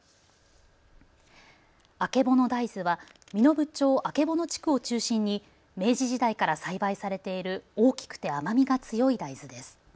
あけぼの大豆は身延町曙地区を中心に明治時代から栽培されている大きくて甘みが強い大豆です。